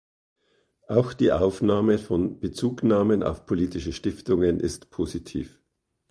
Auch die Aufnahme von Bezugnahmen auf politische Stiftungen ist positiv.